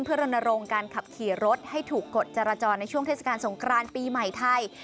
เพื่อรณรงค์การขับขี่รถให้ถูกกฎจรจรในช่วงเทศกาลสงครานปีใหม่ไทย